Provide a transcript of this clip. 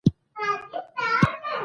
سنډفورډ خوشحاله شو او رخصت شو.